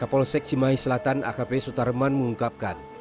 kapolsek cimahi selatan akp sutarman mengungkapkan